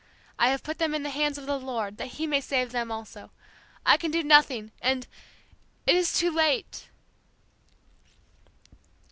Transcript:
I have put them in the hands of the Lord that He may save them also. I can do nothing and it is too late!'